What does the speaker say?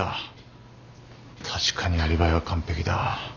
確かにアリバイは完ぺきだ。